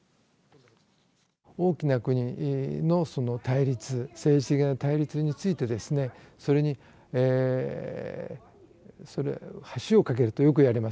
大きな国の対立、政治的な対立について、それに橋を架けると、よく言われます。